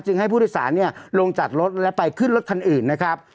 จึงให้ผู้โดยสารลงจัดรถและไปขึ้นรถคันอื่นนะครับ